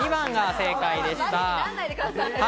２番が正解でした。